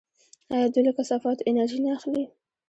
آیا دوی له کثافاتو انرژي نه اخلي؟